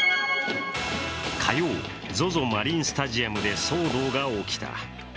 火曜、ＺＯＺＯマリンスタジアムで騒動が起きた。